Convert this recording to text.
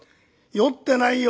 酔ってないよ